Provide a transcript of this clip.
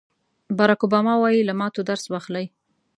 باراک اوباما وایي له ماتو درس واخلئ.